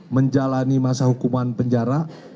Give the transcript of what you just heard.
menjalani masa hukuman penjara